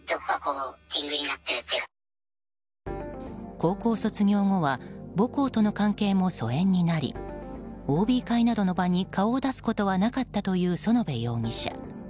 高校卒業後は母校との関係も疎遠になりＯＢ会などの場に顔を出すことはなかったという園部容疑者。